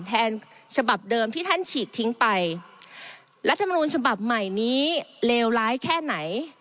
แทนฉบับเดิมที่ท่านฉีดทิ้งไปรัฐมนูลฉบับใหม่นี้เลวร้ายแค่ไหน